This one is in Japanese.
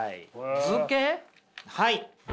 はい。